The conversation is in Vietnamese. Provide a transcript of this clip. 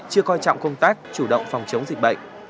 chưa coi trọng công tác chủ động phòng chống dịch bệnh